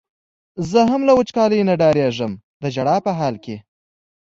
زه هم له وچکالۍ نه ډارېږم د ژړا په حال کې.